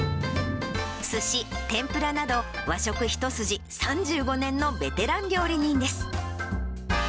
すし、天ぷらなど、和食一筋３５年のベテラン料理人です。